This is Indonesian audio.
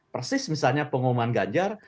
persis misalnya pengumuman ganjar